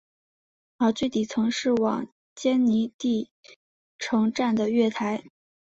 而最底层是往坚尼地城站的月台。